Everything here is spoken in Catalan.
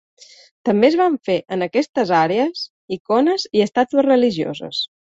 També es van fer en aquestes àrees icones i estàtues religioses.